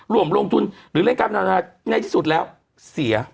รวมลงทุนหรือเล่นการพนันออนไลน์ยังไงที่สุดแล้วเสีย